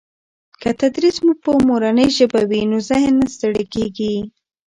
که تدریس په مورنۍ ژبه وي نو ذهن نه ستړي کېږي.